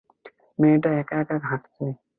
মেয়েটা একা একা হাঁটছে।